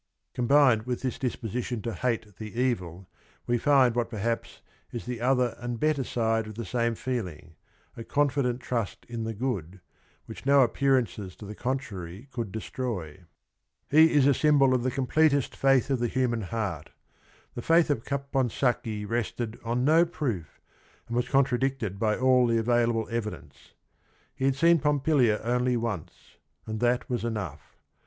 Combined with this disposition to hate the evil, we find what perhaps is the other and better side of the same feeling, a confident trust in the good, which no appearances to the contrary could destroy. He is a sy mbol of j hejcpmpleresr. fait h of the human heart. The faith of Capon sacchi rested on no proof, and was contradicted by all the available evidence. He had seen Pompilia only once, and that was enough.